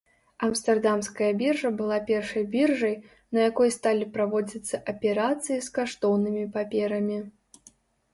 Амстэрдамская біржа была першай біржай, на якой сталі праводзіцца аперацыі з каштоўнымі паперамі.